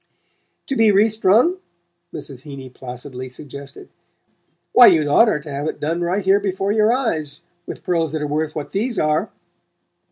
"To be re strung?" Mrs. Heeny placidly suggested. "Why, you'd oughter to have it done right here before your eyes, with pearls that are worth what these are."